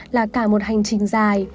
là cả một hành trình dài